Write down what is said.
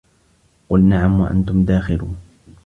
قُل نَعَم وَأَنتُم داخِرونَ